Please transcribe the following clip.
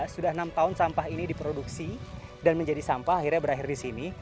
sudah enam tahun sampah ini diproduksi dan menjadi sampah akhirnya berakhir di sini